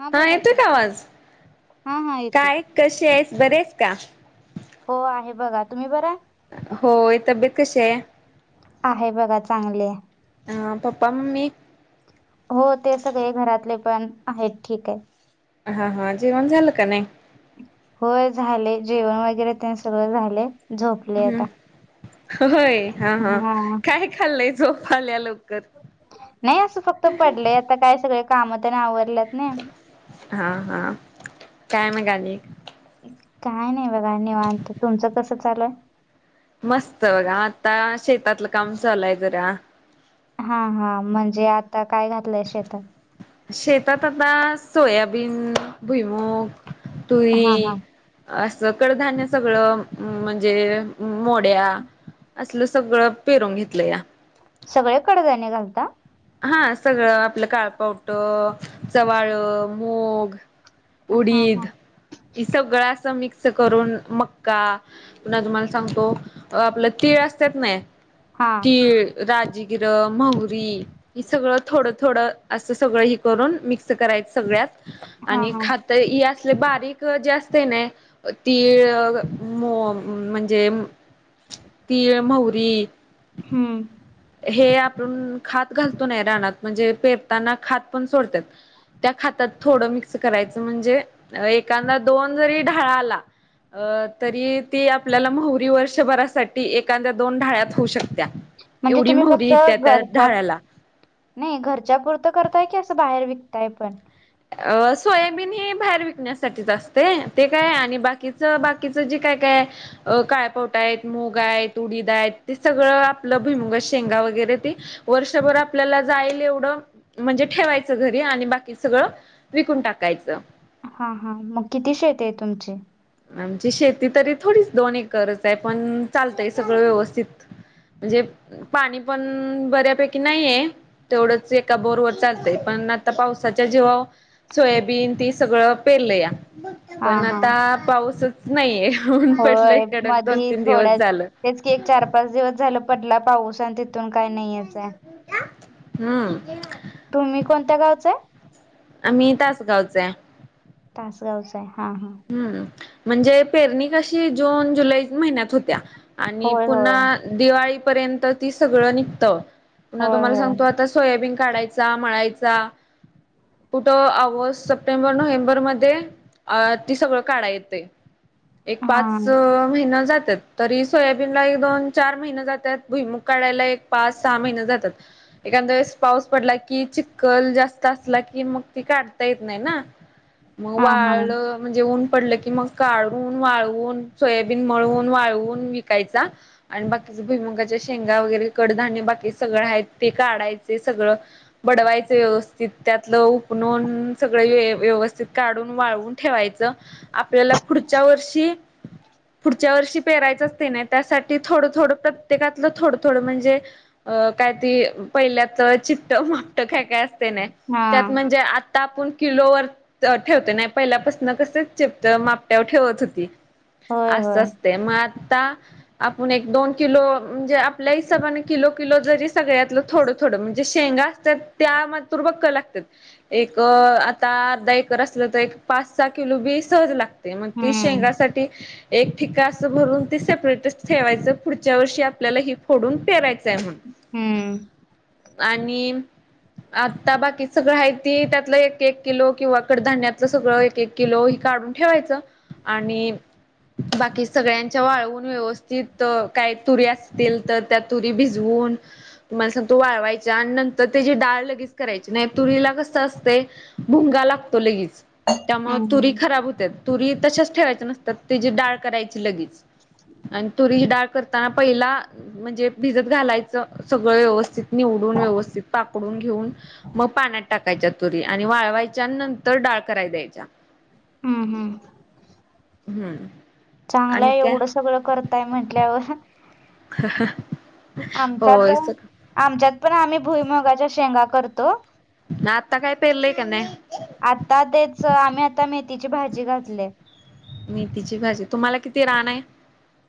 हा बोला येतोय कि का हा हा येतो. कसे आहेस बरी आहेस का? हो आहे बघा तुम्ही बर आहे? होय तब्येत कशी आहे? आहे बघा चांगली आहे. हा पप्पा मम्मी हो ते सगळे घरातले पण आहेत ठीक आहेत. हा हा जेवन झाल की नाही? होय झालंय जेवण वगैरे ते सगळं झालय. हम् होय हा हा काय खाल्लंय? झोप आल्या लवकर. नाही असं फक्त पडलंय आता काय सगळे काम तेन आवरल्यात. नाही हा हा काय मग आणी? काय नाही बघा निवांत तुमचं कसं चालूय? मस्त बघा आता शेतातलं काम चालूय जरा. हा हा. म्हणजे आता काय घातलंय शेतात? शेतात आता सोयाबीन भुईमूग हा हा तुरी असं कडधान्य सगळं म्हणजे मोड्या असलं सगळं पेरून घेतलंया. सगळे कडधान्य घालता? हा सगळं आपलं काळ पावट, चवाळ, मूग हा उडीद हा हि सगळं असं मिक्स करून मक्का पुन्हा तुम्हाला सांगतो. आपलं तीळ असत्यात नाही हा तीळ, राजगिरं, महुरी. हि सगळं थोडं थोडं असं सगळं हि करून मिक्स करायच सगळ्यात हा आणि हा खात तर हि असले बारीक जे असतंय नाय तीळ मो अं म्हणजे तीळ, म्हवरी हम्म. हे आपण खात घालतो नाही रानात म्हणजे पेरताना खात पण सोडत्यात. त्या खातातं थोडं मिक्स करायचं म्हणजे एखादा दोन जरी ढाळा आला अ तरी ती आपल्याला म्हवरी वर्षभरासाठी एखाद्या दोन ढाळ्यात होऊ शकत्या. म्हणजे एवढी तुम्ही मोहरी फक्त येत्या त्या घरच्या ढाळ्याला नाही घरच्या पुुरतं करताय की असं बाहेर विकताय पण. अ सोयाबीन हे बाहेर विकण्यासाठीच असतंय. ते काय आणि बाकीचं बाकीचं जे काय काय अ काळपावटा आहेत, मुग आहेत, उडीद आहेत ते सगळं आपलं भुईमुगा च्या शेंगा वगैरे ते. वर्षभर आपल्याला जायल एवढं म्हणजे ठेवायचं घरी आणि बाकीच सगळं विकून टाकायचं. हा हा. मग किती शेती आहे तुमची? आमची शेती तरी थोडीच दोन एकरच आहे, पण चालतंय सगळं व्यवस्थित. म्हणजे पाणी पण बऱ्यापैकी नाहीये. तेवढंच एका बोरवर चालतंय, पण आता पावसाच्या जिवावर सोयाबीन ती सगळं पेरलया. हा पण हा आता पाऊसच नाहीये. ऊन पडलंय होय कडक दोन मधी तीन दिवस थोड्या झालं. तेच की एक चार पाच दिवस झालं पडला पाऊस आणि तिथून काय नाहीयेच आहे. हम्म. तुम्ही कोणत्या गावाचं आहे. आम्ही तासगावच हाय. तासगावच आहे हा हा. हम्म म्हणजे पेरणी कशी जून, जुलैच महिन्यात होत्या. आणि होय होय पुन्हा दिवाळीपर्यंत ती सगळं निघतं. पुन्हा होय तुम्हाला होय सांगतो आता सोयाबीन काढायचा, मळायचा. कुठं ऑगस्ट, सप्टेंबर, नोव्हेंबरमध्ये अ ती सगळं काढाय येते एक हा पाच महिना जातात. तरी सोयाबीनला एक दोन चार महिने जातात. भुईमुख काढायला एक पाच सहा महिने जातात. एखांद्या वेळेस पाऊस पडला की चिखल जास्त असला की मग ती काढता येत नाही ना. मग हा हा वाळं म्हणजे ऊन पडलं की मग काढून वाळवून, सोयाबीन मळून वाळवून विकायचा. आणि बाकीचे भुईमंगाच्या शेंगा वगैरे कडधान्य बाकी सगळं आहेत ते काढायचे सगळं. बडवायचं व्यवस्थित त्यातलं ऊन ऊन सगळं व्यवस्थित काढून वाळवून ठेवायचं. आपल्याला पुढच्या वर्षी पुढच्या वर्षी पेरायचं असतंय नाही त्यासाठी थोडं थोडं त्यात प्रत्येकातलं थोडं थोडं म्हणजे अ काय ती पहिल्याच चिपट मापटं काय काय अस ते नाय हा त्यात म्हणजे आता आपण किलोवर ठेवतोय नाही पहिल्यापासन कस चिपटं मापट्यावर ठेवत होती होय होय अस असते मग आत ता आपण एक दोन किलो म्हणजे आपल्या हिसाबाने किलो किलो जरी सगळ्यातलं थोडं थोडं म्हणजे शेंगा तर त्या तुर बकळं लागतेत एक आता अर्धा एकर असलं तर एक पाच सहा किलो बी सहज लागते, मग ती हम्म शेंगासाठी एक ठ्ठिक असं भरून ती सेपरेटच ठेवायचं. पुढच्या वर्षी आपल्याला हि फोडून पेरायचं. हम्म [unintelligible] आणि आता बाकी सगळं आहे ते त्यातलं एक एक किलो किंवा कडधान्यात सगळं एक एक किलो हे काढून ठेवायचं आणि बाकी सगळ्यांच्या वाळवून व्यवस्थित, काही तुरी असतील तर त्या तुरी भिजवून तुम्हाला सांगतो वाळवायच आणि नंतर त्याची डाळ लगेच करायची. नाहीतर तुरीला कसं असतंय भुंगा लागतो लगीच. त्यामुळं हम्म तुरी हम्म खराब होत्यात. तुरी तशाच ठेवायचं नसत्यात त्याची डाळ करायची लगेच. आणि तुरीची डाळ करताना पहिला म्हणजे भिजत घालायचं सगळं व्यवस्थित. निवडून व्यवस्थित पाकडून घेऊन मग पाण्यात टाक कायच्या तुरी आणि वाळवायच्या नंतर डाळ करायला द्यायच्या. हम्म हम्म. हम्म. चांगलं आणि हाय काय एवढं सगळं करताय म्हंटल्यावर. [unintelligible] आमच्यात होय आमच्यात पण आम्ही भुईमुगाच्या शेंगा करतो. ना आत्ता काय पेरलंय का नाही? आता तेच आम्ही आता मेथीची भाजी घातलंय. मेथीची भाजी तुम्हाला किती रान आहे?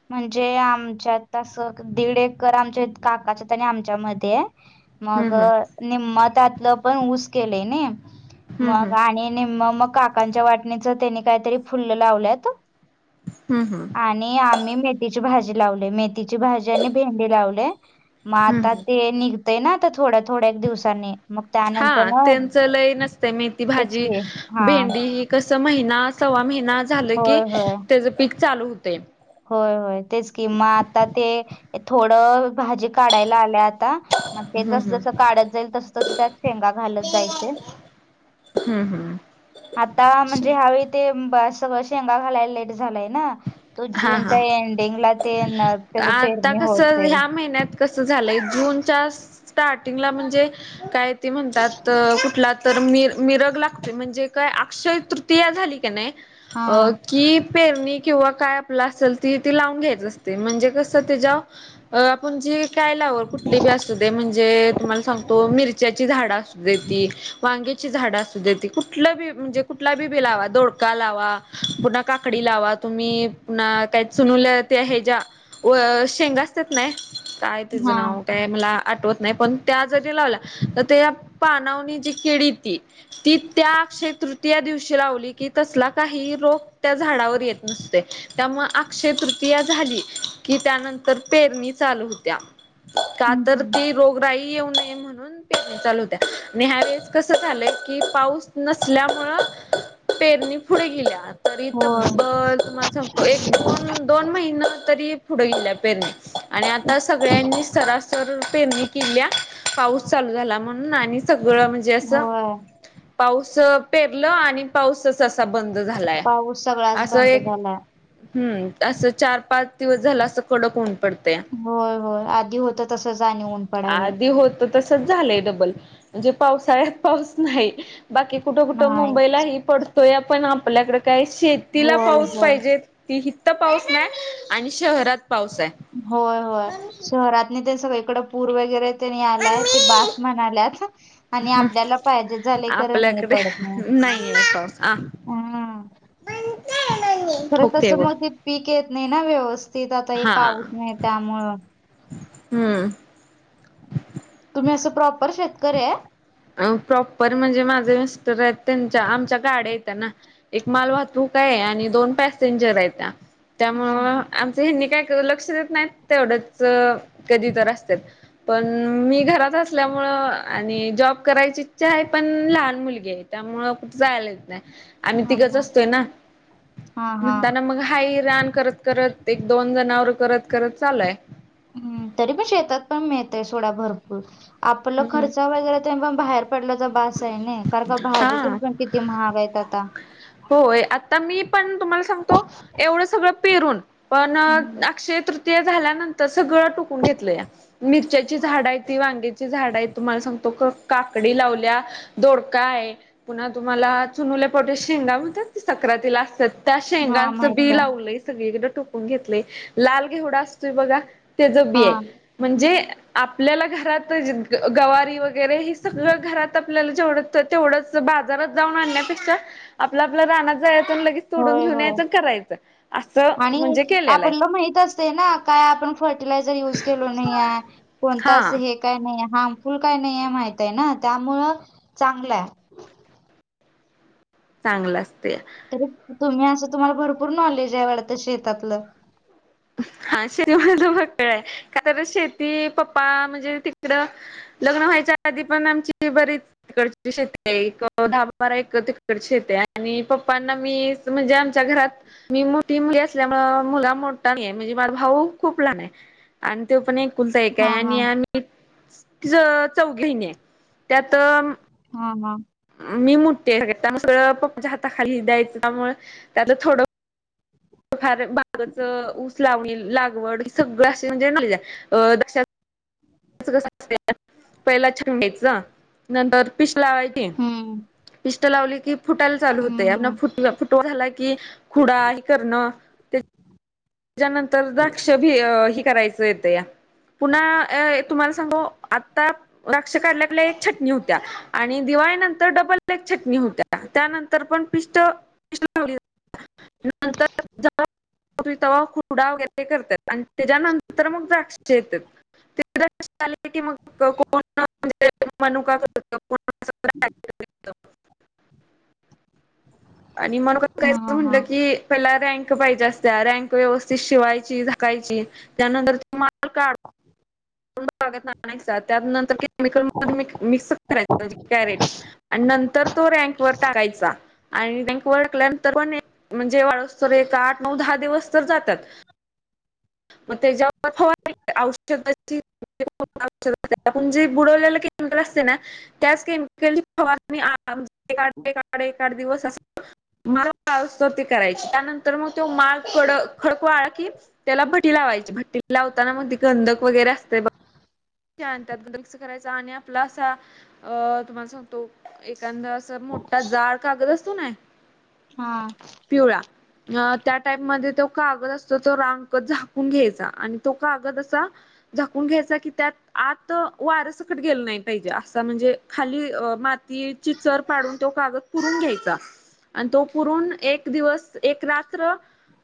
म्हणजे आमच्यात असं दीड एकर आमच्या काकाच्या आणि आमच्यामध्ये हाय. मग हम्म हम्म निम्म त्यातलं पण ऊस केलंय नई. मग हम्म आणि निम्मं मग काकांच्या वाटणीच त्यांनी काहीतरी फुलं लावल्यात. हम्म. हम्म. आणि आम्ही मेथीची भाजी लावलंय, मेथीची भाजी आणि भेंडी लावलंय. मग आता हम्म ते निघतंय ना आता थोड्या थोड्या दिवसांनी. मग हा त्यानंतर मग त्यांचं लय नसतंय‌ मेथी तेच भाजी, की हा भेंडी कसं महिना सव्वा महिना झालं की होय होय त्याच पीक चालू होतंय. होय होय तेच की मग आता ते थोडं भाजीत काढायला आलय आता, मग ते हम्म जसं हम्म जसं काढत जाईल तसं तसं त्यात शेंगा घालत जायचे. हम्म. हम्म. आता म्हणजे ह्यावेळी ते सगळ शेंगा घालायलेत. झालाय ना. तो हा जूनच्या हा एंडिंगला ते येणार त्याज पेरणी होतंय. कस झालंय. जूनच्या स्टार्टिंगला म्हणजे काय ते म्हणतात कुठला तर मिर-मिरग लागती म्हणजे काय अक्षय तृतीया झाली का नाही, हा अ की पेरणी किंवा काय आपलं असेल ती ती लावून घ्यायच असतंय म्हणजे कसं तेज्यावर अं आपण जी काय लावलं कुठली बी असु दे, म्हणजे तुम्हाला सांगतो मिरच्याची झाडं अस ती वांगेची झाडं असू देत, कुठलं बी म्हणजे कुठला बी बी लावा दोडका लावा. पुन्हा काकडी लावा. तुम्ही पुन्हा काय चनुल्या त्या हेज्या शेंगा असत्यात का नाय काय तेज हा नाव काय मला आठवत नाही. पण त्या जरी लावल्या तर त्या पानावनी जी किड येती ती त्या अक्षय तृतीया दिवशी लावली, की तसला काहीही रोग त्या झाडावर येत नसतय त्यामुळे अक्षय तृतीया झाली की, त्यानंतर पेरणी चालू होत्या. का हम्म तर हम्म. ती रोगराई येऊ नये म्हणुन. म्हणून पेरणी चालू होत्या आणि ह्या वेळेस कसं झालंय की पाऊस नसल्यामुळं पेरणी पुढे गेल्या तरी होय तब्बल तुम्हाला सांगतो. एक दोन, दोन महिना तरी पुढे गेल्या पेरणी. आणि आता सगळ्यांनी सरासर पेरणी केिल्या. पाऊस चालू झाला म्हणून आणि, सगळं म्हणजे असं. होय पाऊस पेरलं आणि पाऊसच असा बंद झालाय, पाऊस सगळाच असं बंद एक झालाय. हम्म. असं चार पाच दिवस झालं, असं कडक होऊन पडतंय. होय होय. आधी होतात. आधी होतं. तसंच झालंय डबल म्हणजे, पावसाळ्यात पाऊस नाही. बाकी कुठं कुठं नाही मुंबईलाही पडतोय पण, आपल्याकडे काय शेतीला होय पाऊस होय. पाहिजेत. ती इथं पाऊस नाही. आणि शहरात पाऊस आहे होय होय. शहरातनी तेन सगळीकड पूर वगैरे. त्यांनी आलाय ते बास म्हणायल्यात. आणि आपल्याला पाहिजे झाले खरं, नाही आपल्याकडे पडत नाही. पाऊस आ हम.. खरं हुकते तसं वर मग ते पीक येत नाही ना, व्यवस्थित आता हे हा पाऊस नाही त्यामुळं. हम्म.. तुम्ही असं प्रॉपर शेतकरी हाय. अ प्रॉपर म्हणजे माझे मिस्टर आहेत, त्यांच्या आमच्या गाड्या हायत ना. एक माल वाहतूक आहे, आणि दोन पॅसेंजर आहे त्या हा त्यामुळं. हेनी काय लक्ष देत नाहीत ते, एवढंच कधी तर असत्यात. पण मी घरात असल्यामुळं आणि जॉब. करायची इच्छा आहे पण, लहान मुलगी आहे त्यामुळ कुठं जायलं येत नाही. आम्ही हा तिघंच हा असतोय ना, हा हा म्हणताना मग हाय हे रान करतं. करत एक दोन जणांवर करत करत चालूय. हम्. तरी पण शेतात पण मिळतंय सोडा, भरपूर आपला हम्म खर्चा वगैरे. तरी पण बाहेर पडल्याचा बास आहे नाही, कारण का भाजी हा तेन पण किती महाग आहेत आता. होय आता मी पण तुम्हाला सांगतो, एवढं सगळं पेरून पण हम्म अक्षय तृ ते झाल्यानंतर सगळं, टुकून घेतलं या. मिरच्यांची झाड आहे ती, वांग्याची झाड आहेत. तुम्हाला सांगतो. काकडी लावल्या दोड काय पुन्हा तुम्हाला चुनुले पावट्याच्या शेंगा म्हणतात ते सक्रातील असतात त्या हा शेंगांचं माहित बी आहे लावलंय सगळीकड, टोकून घेतलंय लाल घेवडा असतोय बघा. तेज बी हा आहे. म्हणजे आपल्याला घरात गवारी वगैरे हे, सगळं घरात आपल्याला जेवढं तेवढच बाजारात जाऊन आणण्यापेक्षा, आपल्या आपल्या रानात जायाच आणि लगेच. तोडून होय घेऊन होय यायचं, करायचं असं आणि म्हणजे की. आपल्याला माहित असते ना, काय आपण फर्टिलायझर युज केलो नाही ये कोणता असं हा हे काही नाही हार्मफुल काही नाही, माहित आहे ना त्यामुळ चांगलं आहे. चांगलं असतंय. तरी तुम्ही असं तुम्हाला भरपूर नॉलेज आहे. वाटतं शेतातलं. हा शेतीमध्ये तर भक्कळ आहे, का तर शेती पप्पा म्हणजे तिकडं. लग्न व्हायच्या आधी पण आमची बरीच तिकडची शेती एक दहा बारा एकर तिकडची शेती हाय. आणि पप्पांना मी. म्हणजे आमच्या घरात मी मोठी मुलगी असल्यामुळं मुलगा मो म्हणजे माझा भाऊ खूप लहान आहे, आणि तो पण एक कुलता एक हा आहे हा आणि आम्ही. चौघे नी त्यात. हा हा.. मी मोठी आहे सगळ्यात त्यामुळं, सगळं पप्पांच्या हाता खाली द्यायचं त्यामुळे त्यातलं थोडं. फार बागच ऊस लावणी लागवड सगळं, असे म्हणजे असं [inaudible] पहिला छान घ्यायचं, नंतर पिस् लावायची हम्म पिस्ट लावली की, फुटायला चालू होते. हम्म आप हम्म फुट तो झाला की, खुडा हे करणं. त्याच्यानंतर द्राक्ष भी हे करायचं येते या पुन्हा तुमाला सांगू आता द्राक्ष काढल्या काढल्या एक छाटणी होत्या आणि दिवाळीनंतर एक डबल छाटणी होत्या त्यानंतर पण पिस्ट नंतर पिस्ट तेव्हा खुरडा वगैरे करतात आणि त्याच्यानंतर मग द्राक्षे येतात. [unintelligible] [unintelligible] मनुका [unintelligible] आणि मग मनुका विकायच हा हा म्हंणलं की त्याला रँक पाहिजे असत्या रँक. व्यवस्थित शिवायची, झाकायची. त्यानंतर तो माल काढ [inaudible] [unintelligible] त्यात नंतर की केमिकलमध्ये मिक्स करायचा म्हणजे कॅरेट आणि नंतर तो रँकवर टाकायचा. आणि रँक टाकल्या नंतर पण म्हणजे, वाळुस तर एक आठ, नऊ, दहा दिवस तर जातात. मग त्याच्यावर फवारणी औषधची. [unintelligible] आपण जे बुडवलेला केमीकल असतंय ना त्याच केमिकल नी फवारणी एक आड एक दिवस असते. माळ [unintelligible] करुसतर ते करायची त्यानंतर मग तो माळ कड-खडक वाळा की त्याला भटी लावायची भटी लावताना मग ती गंधक वगैरे असते बघ त्यात [unintelligible] मिक्स करायचा आणि आपला असा अ तुम्हाला सांगतो. एखादां अस मोठा जाड कागद असतो ना. हा. पिवळा. अ त्या टाईम मध्ये तो कागद असतो तो रांक झाकून घ्यायचा आणि तो कागद असा झाकून घ्यायचा की त्यात आत वारसकट गेलं नाही पाहिजे. असा म्हणजे खाली अ मातीची चर पाडून तो कागद पुरून घ्यायचा आणि तो पुरून एक दिवस, एक रात्र.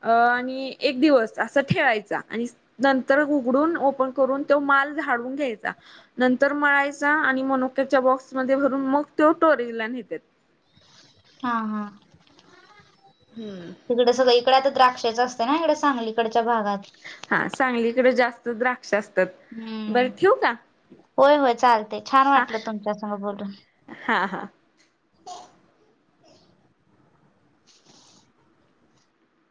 अ आणि एक दिवस असा ठेवायचा आणि नंतर उघडून ओपन करून तो माल झाडून घ्यायचा. नंतर मळायचा आणि मनोक्याच्या बॉक्समध्ये भरून मग ते स्टोरेजला नेत त्यात. हा. हा. हम्म. तिकडं सगळीकडं आता द्राक्षाचं असते ना इकडे सांगलीकडच्या भागात हा सांगलीकडे जास्त द्रा द्राक्षे असत्यात. हम्म. होय होय चालतंय. छान हा वाटलं तुमच्यास नोग बोलून. हा. हा.